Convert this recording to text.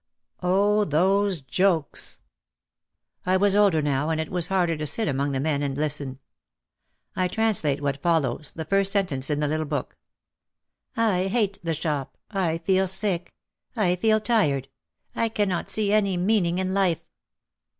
Oh, those jokes ! I was older now and it was harder to sit among the men and listen. I translate what follows, the first sentence in the little book. "I hate the shop, I feel sick, I feel tired, I cannot see any meaning in life."